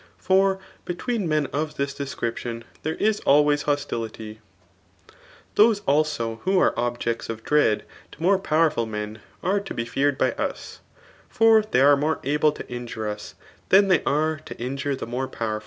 for between men of this description there is alwayt ho^* lity. Those also who are objects of dreftd, O mm I powerfol men, are to be feared by 59 jifor they oMitinMe able to injui« us than they aos to injure 'the vmt^fOMm* CKitf.